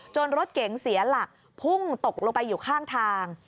รถเก๋งเสียหลักพุ่งตกลงไปอยู่ข้างทาง